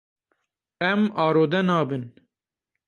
Em arode nabin.